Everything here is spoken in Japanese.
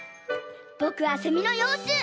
ぼくはセミのようちゅう。